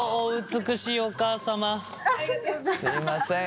すいません。